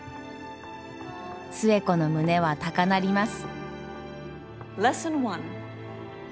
寿恵子の胸は高鳴ります。